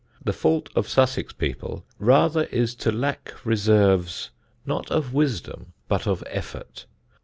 The fault of Sussex people rather is to lack reserves, not of wisdom but of effort.